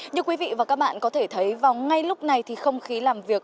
như quý vị và các bạn có thể thấy vào ngay lúc này thì không khí làm việc